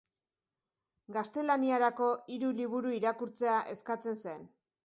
Gaztelaniarako hiru liburu irakurtzea eskatzen zen.